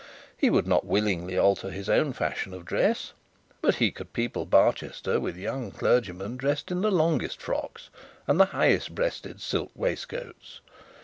He would not willingly alter his own fashion of dress, but he could people Barchester with young clergymen dressed in the longest frocks, and the highest breasted silk waistcoats.